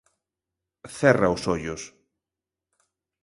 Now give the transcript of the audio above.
Cerra os ollos.